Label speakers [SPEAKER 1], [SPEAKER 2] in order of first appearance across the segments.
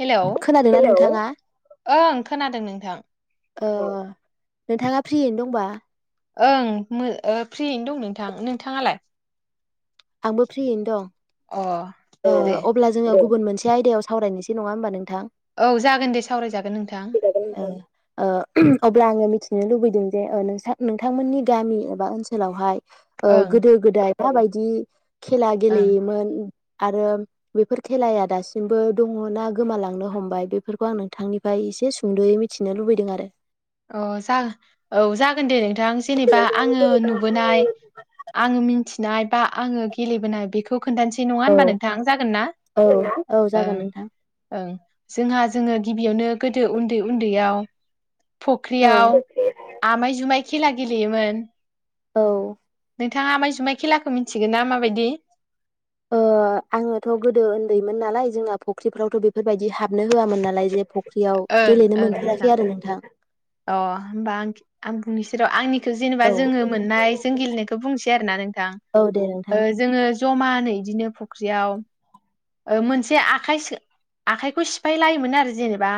[SPEAKER 1] Hello
[SPEAKER 2] खोनादोंना नोंथाङा
[SPEAKER 1] ओं खोनादों नोंथां।
[SPEAKER 2] औ नोंथाङा फ्रियैनो दंबा।
[SPEAKER 1] ओं [unintelligible] फ्रियैनो दं नोंथां नोंथाङालाय?
[SPEAKER 2] आंबो फ्रियैनो दं।
[SPEAKER 1] अ
[SPEAKER 2] ओ
[SPEAKER 1] दे
[SPEAKER 2] अब्ला जोङो। बुन मोनसे आयदायाव सावरायनोसै नङा होनबा नों
[SPEAKER 1] औ जागोन दे सावरायजागोन नोंथां।
[SPEAKER 2] ओ ओ अब्ला आङो मिथिनो लुबैदों जे ओ नोंसा नोंथांमोननि गामि एबा ओनसोलावहाय। ओ
[SPEAKER 1] ओं
[SPEAKER 2] गोदो-गोदाय। माबायदि। खेला
[SPEAKER 1] ओं
[SPEAKER 2] गेलेयोमोन। आरो बेफोर खेलाया दासिमबो दङना गोमालांनो हमबाय बेफोरखौ आं नोंथांनिफ्राय एसे सुंद'यै मिथिनो लुबैदों आरो।
[SPEAKER 1] अ जा औ जागोन दे नों थां जेनेबा आङो नुबोनाय आङो मिनथि नाय बा आङो गेलेबोनाय बेखौ। खोन्थानसै नङा
[SPEAKER 2] औ
[SPEAKER 1] होनबा नोंथां जागोन ना
[SPEAKER 2] औ औ जागोन
[SPEAKER 1] ओं
[SPEAKER 2] नोंथां
[SPEAKER 1] ओं। जोंहा जोङो गिबियावनो गोदो उन्दै-उन्दैयाव।
[SPEAKER 2] औ
[SPEAKER 1] फख्रियाव आमाय जुमाय। खेला गेलेयोमोन।
[SPEAKER 2] औ।
[SPEAKER 1] नोंथाङा आमाइ-जुमाय खेलाखौ मिथिगोन ना माबायदि?
[SPEAKER 2] ओ आङोथ' गोदो ओन्दैमोन नालाय जोंना फख्रिफ्रावथ' बेफोरबायदि हाबनो होआमोन नालाय जे फ
[SPEAKER 1] ओं ओं नोंथां अ होमबा आंखि आं। निसोरो आंनि। खो जेनेबा जोङो
[SPEAKER 2] औ
[SPEAKER 1] मोननाय जों गेलेनायखो बुंसै आरोना नोंथां
[SPEAKER 2] दे नोंथां
[SPEAKER 1] ओ जोङो जमानो इदिनो फ ख्रियाव। ओ मोनसे आखाइ सो आखाइखौ सिफाय लायोमोन आरो जेनेबा।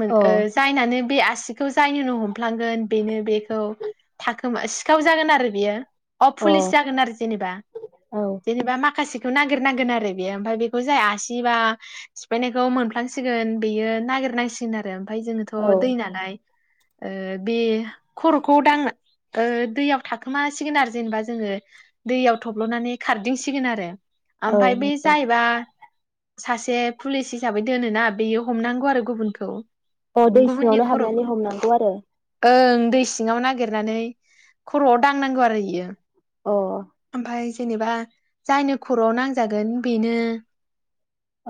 [SPEAKER 1] मोन
[SPEAKER 2] अ
[SPEAKER 1] ओ जायनानो। बे आसिखौ जायनिनो हमफ्लांगोन बेनो बेखौ थाखोमा सिखाव जागोन आरो बेयो। अ पुलिस जागोन आरो जेनेबा
[SPEAKER 2] औ
[SPEAKER 1] जेनेबा माखासे खौ नागिरनांगोन आरो बेयो ओमफाय बे खौ जायासिबा सिफायनायखौ मोनफ्लांसिगोन बेयो नागिरनांसिगोन आरो।
[SPEAKER 2] औ
[SPEAKER 1] जोङोथ' दै नालाय। ओ बे खर'खौ दांना ओ दैयाव थाखोमासिगोन आरो जेनेबा जोङो दैयाव थब्ल'नानै खारदिंसिगोन आरो। आमफाय बे
[SPEAKER 2] औ
[SPEAKER 1] जायैबा। सासे पुलिस हिसाबै दोनोना बेयो हमनांगौ आरो गुबुनखौ।
[SPEAKER 2] अ दै
[SPEAKER 1] गुबुननि
[SPEAKER 2] सिङावनो
[SPEAKER 1] खर'खौ
[SPEAKER 2] हाबनानै हमनांगौ आरो।
[SPEAKER 1] ओं दै सिङाव नागिरनानै खर'आव दांनांगौ आरो इयो।
[SPEAKER 2] अ।
[SPEAKER 1] ओमफाय जेनेबा जायनो खरआव नांजागोन बेनो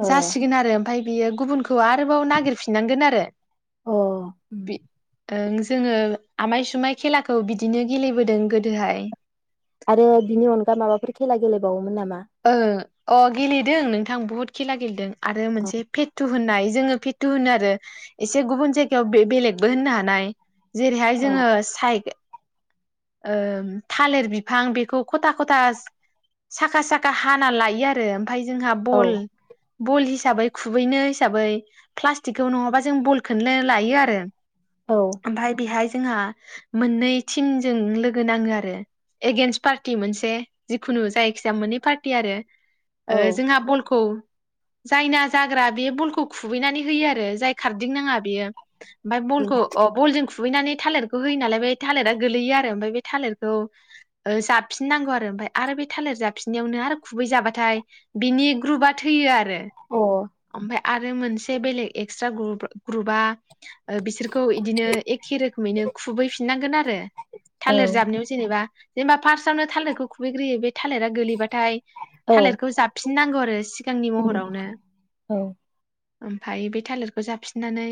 [SPEAKER 1] जासिगोन आरो ओमफ्राय बियो गुबुनखौ आरोबाव नागिरफिननांगोन आरो।
[SPEAKER 2] अ उम।
[SPEAKER 1] ओ जोङो आमायसुमाय खेलाखौ बिदिनो गेलेबोदों गोदोहाय
[SPEAKER 2] आरो बिनि अनगा माबाफोर खेला गेलेबावोमोन नामा?
[SPEAKER 1] ओ। अ गेलेदों नोंथां बुहुद खेला गेलेदों आरो मोनसे फेुतु। होननाय जोङो फेथु होनो आरो एसे गुबुन जायगायाव बे बेलेगबो होननो हानाय जेरैहाय
[SPEAKER 2] औ
[SPEAKER 1] जोङो साइ ओ थालिर बिफां बेखौ खथा खथा साखा साखा हाना लायो आरो। ओमफाय जोंहा
[SPEAKER 2] औ
[SPEAKER 1] बल बल हिसाबै खुबैनो हिसाबै प्लास्टिकखौ नङाबा जों बलखौनो लायो आरो।
[SPEAKER 2] औ
[SPEAKER 1] ओमफाय बिहाय जोंहा मोननै तिनजों लोगो नाङो आरो एगेन्स फारथि मोनसे मोनसे जिखुनु जायखि मोनै फार्टि आरो।
[SPEAKER 2] औ
[SPEAKER 1] ओ जोंहा बलखौ जायना जाग्रा बे बलखौ खुबैनानै होयो आरो जाय खारदिं नाङा बेयो- ओमफ्राय
[SPEAKER 2] अ
[SPEAKER 1] बलखौ बलजों खुबैनानै थालिरखौ होयो नालाय बे थालिरा गोलैयो आरो ओमफ्राय बे थालिरखौ ओ जाबफिननांगौ आरो ओमफ्राय आरो बे थालिर जाबफिन नियावनो आरो खुबै जाबाथाय बिनि ग्रुपआ थैयो आरो
[SPEAKER 2] औ
[SPEAKER 1] ओमफ्राय आरो मोनसे बेलेग एक्सट्रा ग्रु ग्रुबा बिसोरखौ इदिनो एखे रोखोमैनो खुबैफिननांगोन आरो थालिर
[SPEAKER 2] औ
[SPEAKER 1] जाबनायाव जेनेबा जेनबा फारस्टआवनो थालिरखौ खुबैग्रयो बे थालिरा बाथाय थालिरखौ जाबफिननांगौ आरो सिगांनि महरावनो
[SPEAKER 2] औ
[SPEAKER 1] ओमफाय बे थालिरखौ जाफिननानै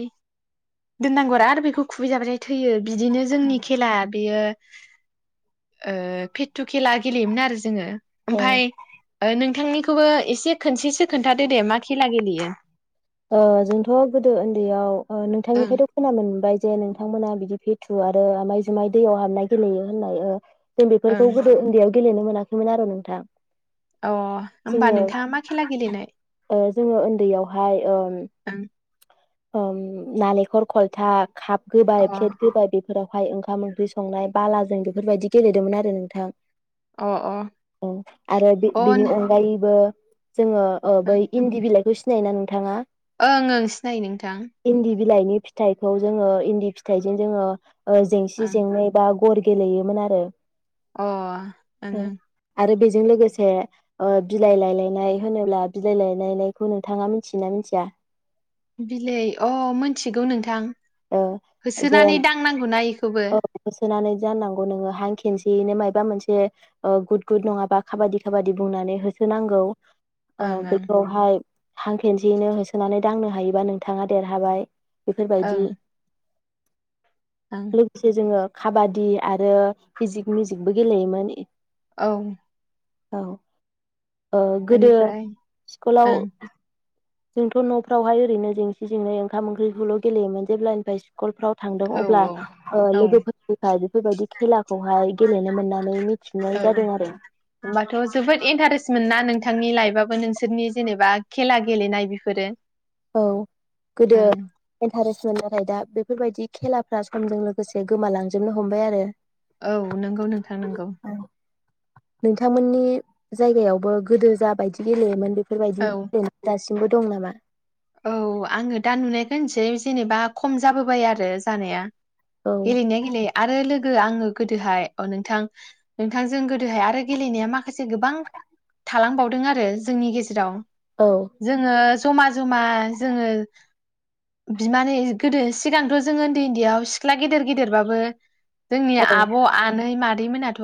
[SPEAKER 1] दोननांगौ आरो बेखौ खुबैजाबा थाय थैयो बिदिनो जोंनि खेला बेयो ओ फेथु खेला गेलेयोमोन आरो जोङो
[SPEAKER 2] ओ
[SPEAKER 1] ओमफ्राय नों नोंथांनिखौबो एसे खोनसेसो खोन्थादो दे मा खेला गेलेयो?
[SPEAKER 2] ओ जोंथ' गोदो ओन्दैयाव ओ
[SPEAKER 1] ओं
[SPEAKER 2] नोंथांनिफ्राय खोनानो मोनबाय जे नोंथांमोना बिदि फिथु आरो आमाय जुमाय दैयाव हाबनाय गेलेयो होननाय ओ जों
[SPEAKER 1] ओं
[SPEAKER 2] बेफोरखौ गोदो उन्दैयाव गेलेनो मोनाखैमोन आरो नोंथां।
[SPEAKER 1] अ होमबा
[SPEAKER 2] जोङो
[SPEAKER 1] नोंथाङा मा खेला गेलेनाय?
[SPEAKER 2] ओ जोङो उन्दैयावहाय
[SPEAKER 1] ओं
[SPEAKER 2] [unintelligible] ओम नालेखर खलथा खाब
[SPEAKER 1] अ
[SPEAKER 2] गोबाय प्लेत गोबाय बेफ फोरावहाय ओंखाम ओंख्रि संनाय बालाजों बेफोरबायदि गेलेदोंमोन आरो नोंथां।
[SPEAKER 1] अ
[SPEAKER 2] अ आरो बे
[SPEAKER 1] अ ओं
[SPEAKER 2] बेनि अनगायैबो जोङो ओ बै इन्दि बिलाइखौ सि नेनानो थाङा
[SPEAKER 1] ओं ओं सिनायो नोंथां।
[SPEAKER 2] बिलाइनि फिथाइखौ जोङो इन्दि फिथाइजों जोङो ओ
[SPEAKER 1] ओं
[SPEAKER 2] जेंसिजोंनो बा गर गेलेयोमोन आरो।
[SPEAKER 1] अ ओं ओं।
[SPEAKER 2] आरो बेजों लोगोसे ओ बिलाइ लायलायनाय होनोब्ला बिलाइ लायलायनायखौ नोंथाङा मिथ थियोना मिथिया?
[SPEAKER 1] बिलाइ अ मोनथिगौ नोंथां।
[SPEAKER 2] ओ
[SPEAKER 1] होसोनानै
[SPEAKER 2] जेन
[SPEAKER 1] दांनांगौना इखौबो
[SPEAKER 2] औ होसोनानै जानांगौ नोङो हां खेनसेयैनो माइ माबा मोनसे ओ गुद गुद नङा खाबादि खाबादि बुंनानै होसोनांगौ। ओ
[SPEAKER 1] ओं ओं
[SPEAKER 2] बेफोरावहाय हां खेनसेयैनो होसोनानै दांनो हायोबा नोंथाङा देरहाबाय। बेफोरबायदि
[SPEAKER 1] ओं ओं
[SPEAKER 2] लोगोसे जोङो खाबादि आरो मिजिक मिजिकबो गेलेयोमोन।
[SPEAKER 1] औ।
[SPEAKER 2] औ। ओ गोदो
[SPEAKER 1] बेनिफ्राय
[SPEAKER 2] स्कुलाव
[SPEAKER 1] ओं
[SPEAKER 2] जोंथ' नफ्रावहाय ओरैनो जेंसि जेंनि ओंखाम ओंख्रिखौल' गेलेयोमोन जेब्लानिफ्राय स्कुलफ्राव थांदों
[SPEAKER 1] औ
[SPEAKER 2] अब्ला ओ
[SPEAKER 1] औ
[SPEAKER 2] लोगोफोरनिफाय बेबायदि खेला
[SPEAKER 1] औ
[SPEAKER 2] जादों आरो
[SPEAKER 1] होमबाथ जोबोद इन्टारेस्ट मोना नोंथांनि लाइफआबो नों बिसोरनि जेनेबा खेला गेलेनाय बेफोरो
[SPEAKER 2] औ गोदो
[SPEAKER 1] ओं
[SPEAKER 2] इन्टारेस्ट मोन नाथाय दा बेफोरबायदि खेलाफ्रा समजों लोगोसे गोमालांजोबनो हमबाय आरो
[SPEAKER 1] औ नंगौ नोंथां नंगौ
[SPEAKER 2] नोंथांमोननि जायगायावबो गोदो जा बायदि गेलेयोमोन बे
[SPEAKER 1] औ
[SPEAKER 2] बेफोरबायदि गेले दासिबो बो दं नामा
[SPEAKER 1] औ आंङो दा नुनायखौ होनसै जेनेबा खम जाबोबाय आरो जानाया
[SPEAKER 2] औ
[SPEAKER 1] गेलनायाय गेले आरो लोग ओ आंङो गोदोहाय अ नोंथां नोंथांजों गोदोहाय आरो गेलेनाया माखासे गोबां थालांबावदों आरो जोंनि गेजेराव
[SPEAKER 2] औ
[SPEAKER 1] जोंङो समाज जमा जोंङो बिमानै गोदो सिगांथ' जों उन्दै उन्दैयाव सिख्ला गेदेर गेदेरबाबो जोंनि
[SPEAKER 2] औ
[SPEAKER 1] आब' आनै मादै दै मोनाथ'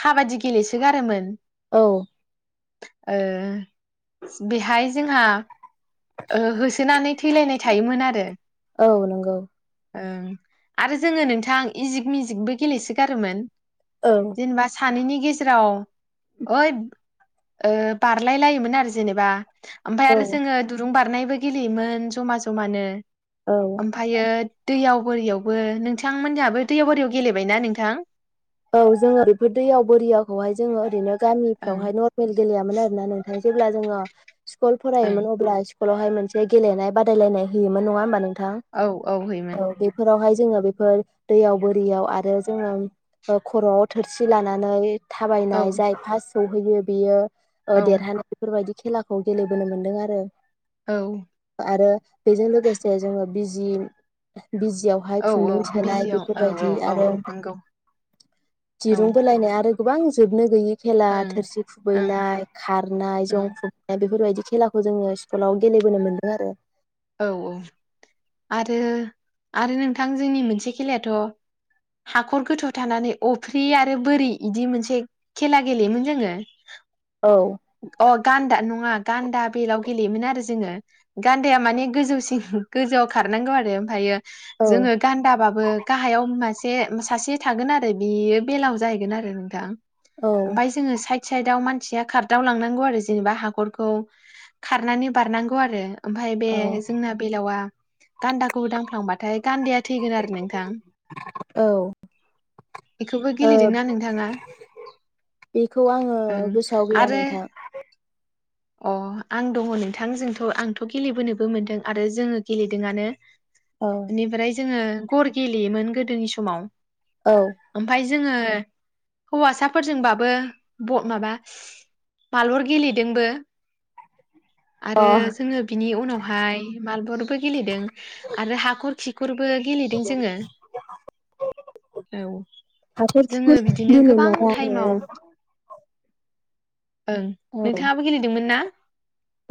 [SPEAKER 1] खाबादि गेलेसोगारोमोन
[SPEAKER 2] औ
[SPEAKER 1] ओ बिहाय जोंहा ओ होसोनानै थैलायनाय थायोमोन आरो
[SPEAKER 2] औ नंगौ
[SPEAKER 1] ओं आरो जोंङो नोंथां इजिक मिजिकबो गेलेसोगारोमोन
[SPEAKER 2] औ
[SPEAKER 1] जेनेबा सानैनि गेजेराव ओइ ओ बारलाय लायोमोन आरो जेनेबा ओमफाय
[SPEAKER 2] औ
[SPEAKER 1] आरो जोंङो बारनायबो गेलेयोमोन जमा जमानो
[SPEAKER 2] औ
[SPEAKER 1] ओमफायो दैयाव बोरियावबो नोंथांमोनियाबो दैयाव बोरियाव गेलेबायना नोंथां
[SPEAKER 2] औ जोंङो बेफोर दैयाव बरोरियाखौहाय जोंङो ओरैनो
[SPEAKER 1] ओं
[SPEAKER 2] गामिफ्रावहाय नर्मेल गेलेयामोन आरो ना नोंथां जेब्ला जोंङो स्कुल
[SPEAKER 1] ओं
[SPEAKER 2] फरायोमोन अब्ला कलावहाय मोनसे गेलेनाय बादायलायनाय होयोन नङा होमबा नों थां
[SPEAKER 1] औ औ हैमोन
[SPEAKER 2] औ बेफोरावहाय जोंङो बेफोर दैयाव बोरियाव आरो जोंङो ओ खर'आव थोरसि लानानै
[SPEAKER 1] औ
[SPEAKER 2] थाबायनाय जाय फार्स्ट सौहैयो बेयो अ
[SPEAKER 1] औ
[SPEAKER 2] देरहानाय बेफोरबायदि खेलाखौ गेलेबोनो मोनदों आरो
[SPEAKER 1] औ
[SPEAKER 2] आरो बेजों लोगोसे जोङो बिजि बिजियावहाय
[SPEAKER 1] औ
[SPEAKER 2] खुन्दुं
[SPEAKER 1] औ
[SPEAKER 2] सोनाय
[SPEAKER 1] बिजियाव औ औ
[SPEAKER 2] बेफोरबायदि
[SPEAKER 1] औ
[SPEAKER 2] आरो
[SPEAKER 1] नंगौ औ
[SPEAKER 2] दिरुं
[SPEAKER 1] ओं
[SPEAKER 2] बोलायनाया आरो गोबां जोबनो गैयि खेला
[SPEAKER 1] ओं
[SPEAKER 2] थोरसि
[SPEAKER 1] ओं
[SPEAKER 2] खुबैनाय खारनाय जं खुबैनाय बेफोरबायदि खेलाखौ जोङो स्कुलाव गेलेबोनो मोन्दों आरो
[SPEAKER 1] औ औ आरो आरो नोंथां जोंनि मोनसे खेलायाथ' हाखर गोथौआव थानानै अफ्रि आरो बोरि बिदि मोनसे खेला गेलेयोमोन जोङो।
[SPEAKER 2] औ
[SPEAKER 1] अ गान्दा नङा गान्दा बेलाव गेलेयोमोन आरो जोङो गान्दाया मानि गोजौसिन गोजौआव खारनांगौ आरो ओमफ्रायो
[SPEAKER 2] औ
[SPEAKER 1] जोङो गान्दाबाबो गाहायाव मासे सासे थागोन आरो नाथाय बियो बेलायाव जाहैगोन आरो नोंथां।
[SPEAKER 2] औ
[SPEAKER 1] ओमफ्राय जोङो साइ साइदाव मानसिया खारदाव लांनांगौ आरो जेनेबा हाखरखौ खारनानै बारनांगौ आरो ओमफ्राय बे
[SPEAKER 2] औ
[SPEAKER 1] दलावआ गान्दाखौ दांफ्लांबा नाथाय गान्दाया थैगोन आरो नोंथां [inaudible]
[SPEAKER 2] औ
[SPEAKER 1] बेखौबो
[SPEAKER 2] ओ
[SPEAKER 1] गेलेदोंना नोंथाङा
[SPEAKER 2] बेखौ आङो
[SPEAKER 1] ओं
[SPEAKER 2] गोसोआव गैया
[SPEAKER 1] आरो
[SPEAKER 2] नोंथां
[SPEAKER 1] अ आं दङ नोंथां जोंथ' आंथ' गेलेबोनोबो मोनदों आरो जोङो गेलेदोंआनो
[SPEAKER 2] औ
[SPEAKER 1] बिनिफ्राय जोङो गर गेलेयोमोन गोदोनि समाव
[SPEAKER 2] औ
[SPEAKER 1] ओमफाय जोङो हौवासाफोरजोंबाबो माबा मालबर गेलेदोंबो। आरो
[SPEAKER 2] अ
[SPEAKER 1] जोङो बिनि उनावहाय मारबलबो गेलेदों आरो हाखर खि खिफोरबो गेलेदों जोङो औ
[SPEAKER 2] हाखर खिखर
[SPEAKER 1] जोङो बिदिनो गोबां
[SPEAKER 2] गेलेनाया
[SPEAKER 1] टाइमाव ओं
[SPEAKER 2] औ
[SPEAKER 1] नोंथाङाबो गेलेदोंमोन ना?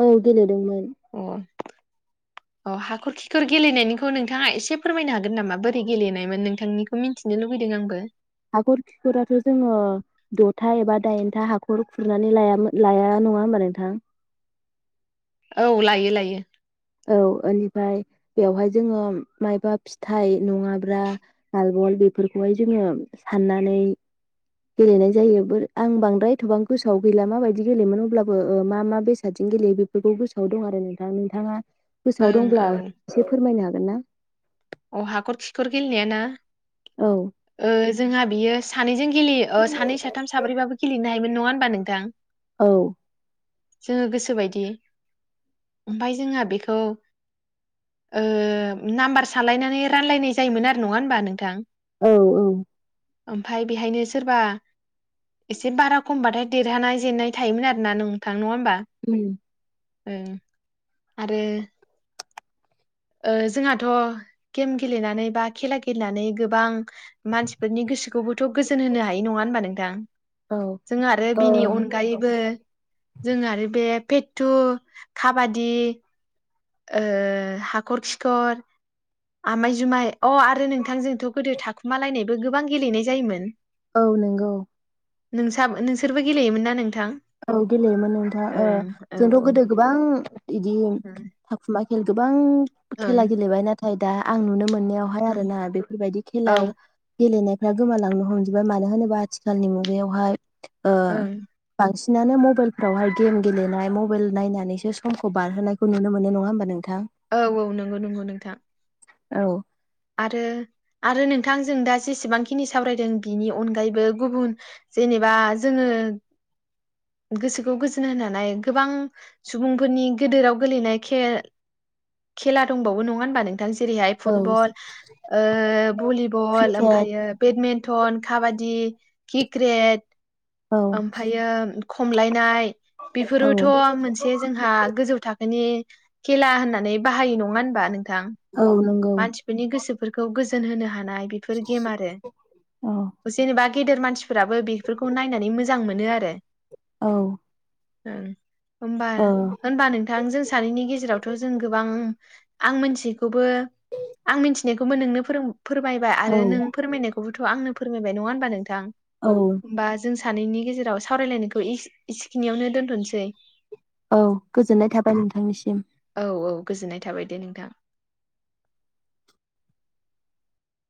[SPEAKER 2] औ गेलेदोंमोन।
[SPEAKER 1] अ अ हाखर खिखर गेलेनायनिखौ नोंथाङा एसे फोरमायनो हागोन नामा बोरै गेलेनायमोन नोंथांनिखौ मिन्थिनो लुबैदों आंबो।
[SPEAKER 2] हाखर खिखराथ' जोङो दथा एबा दाइनथा हाखर खुरनानै लाया नङा होमबा नोंथां?
[SPEAKER 1] औ लायो लायो।
[SPEAKER 2] औ ओनिफ्राय बेवहाय जोङो मायबा फिथाइ नङाब्रा नालबल बेफोरखौहाय जोङो साननानै गेलेनाय जायो आं बांद्राय थबां गोसोआव गैला माबायदि गेलेयोमोन अब्लाबो ओ मा मा बेसादजोंं गेलेयो बेफोरखौ गोसोआव दं आरो नोंथां नोंथाङा गोसोआव
[SPEAKER 1] ओं
[SPEAKER 2] दंब्ला
[SPEAKER 1] औ
[SPEAKER 2] एसे फोरमायनो हागोन [unintelligible]
[SPEAKER 1] अ हाखर खिखर गेलेनाय ना
[SPEAKER 2] औ
[SPEAKER 1] ओ जोंहा बियो सानैजों गेलेयो सानै साथाम साब्रैबाबो गेलेनो हायो नोमोन नङा होनबा नोंथां
[SPEAKER 2] औ
[SPEAKER 1] जोङो गोसोबायदि ओफाय जोंहा बेखौ ओ नाम्बार सानलायनानै रानलायनाय जायोमोन आरो नङा होमबा नोंथां
[SPEAKER 2] औ औ
[SPEAKER 1] ओमफाय बेहायनो सोरबा एसे बारा खमबाथाय देरहानाय जेननाय थायोमोन आरोना नोंथां नङा होमबा ओ आरो ओ जोंहाथ' गेम गेलेनानै बा खेला गेलेनानै गोबां मानसिफोरनि गोसोखौबोथ' गोजोन होनो हायो नङा होनबा नोंथां
[SPEAKER 2] औ
[SPEAKER 1] जों आरो बिनि
[SPEAKER 2] औ
[SPEAKER 1] अनगायैबो जों आरो बे फेटटु खाबादि ओ हाखर खिखर आमाय जुमाय अह आरो नोंथां जोंथ' गोदो थाखुमालायनायबो गोबां गेलेनाय जायोमोन
[SPEAKER 2] औ नंगौ
[SPEAKER 1] नोंसा नोंसोरबो गेलेयोमोन ना नोंथां
[SPEAKER 2] औ गेलेयोमोन नोंथाङा ओ
[SPEAKER 1] ओं औ
[SPEAKER 2] जोंथ' गोदो गोबां बिदि
[SPEAKER 1] ओं
[SPEAKER 2] थाखुमा खेल गोबां
[SPEAKER 1] ओं
[SPEAKER 2] खेला गेलेबाय नाथाइ दा आं नुनो मोन नायावहाय
[SPEAKER 1] ओं
[SPEAKER 2] आरो ना बेफोरबायदि
[SPEAKER 1] औ
[SPEAKER 2] खेला गेलेनाय फ्रा गोमालांनो हमजोबबाय मानो होनोबा आथिखालनि मुगायावहाय ओ
[SPEAKER 1] ओं
[SPEAKER 2] बांसिनानो मबाइलफ्रावहाय गेम गेलेनाय मबाइल नायनानैसो समखौ बारहोनायखौ नुनो मोनो नङा होमबा नोंथां
[SPEAKER 1] औ औ नंगौ नंगौ नोंथां
[SPEAKER 2] औ
[SPEAKER 1] आरो आरो नोंथां जों दा जेसेबांखिनि सावरायदों बिनि अनगायैबो गुबुन जेनेबा जोङो गोसोखौ गोजोन होनो हानाय गोबां सुबुंफोरनि गोदोराव गोेलैनाय खेला दंबावो नङा होनबा नोंथ जेरैहाय
[SPEAKER 2] औ
[SPEAKER 1] फुटबल ओ भलिबल
[SPEAKER 2] क्रिकेट
[SPEAKER 1] ओमफायो बेथ मेन मेन्टन काबाादि क्रिक्रेट
[SPEAKER 2] औ
[SPEAKER 1] ओमफायो खमलायनाय
[SPEAKER 2] औ
[SPEAKER 1] बेफोरोथ' मोनसे जोंहा गोजौ थाखोनि खेला होननानै बाहायो नङा होनबा नों थां।
[SPEAKER 2] औ नंगौ
[SPEAKER 1] मानसिफोरनि गोसोफोरखौ गोज जोन होनो हा नाय बेफोर गेम आरो
[SPEAKER 2] औ
[SPEAKER 1] जेनेबा गेदेर मानसिफोराबो बेफोरखौ नायनानै मोजां मोनो आरो।
[SPEAKER 2] औ।
[SPEAKER 1] उम होमबा
[SPEAKER 2] औ
[SPEAKER 1] होनबा नोंथां जों सानैनि गेजेरावथ' जों गोबां आं मोनथियिखौबो आं मिथिनायखौबो नोंनो फोरों फोरमायबाय आरो नों फोरमायनायखौबोथ' आंनो फोरमाय नङा होनबा नोंथ थां
[SPEAKER 2] औ
[SPEAKER 1] होमबा जों सा सानैनि गेजेराव सावरायलायनायखौ इस-इसखिनियावनो दोनथ'सै।
[SPEAKER 2] औ गोजोननाय थाबाय नोंथांनिसिम।
[SPEAKER 1] औ औ गोजोननाय थाबाय दे नोंथां।